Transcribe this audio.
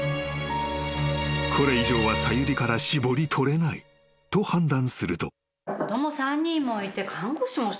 ［これ以上はさゆりから搾り取れないと判断すると］